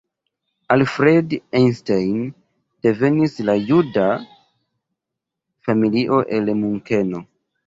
Alfred Einstein devenis de juda familio el Munkeno.